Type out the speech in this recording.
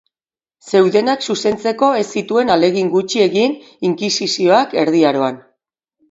Zeudenak zuzentzeko ez zituen ahalegin gutxi egin inkisizioak Erdi Aroan.